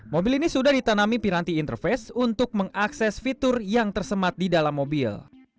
mobil ini sudah ditanami piranti interface untuk mengakses fitur yang tersemat di dalam mobil